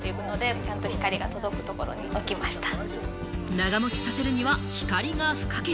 長持ちさせるには光が不可欠。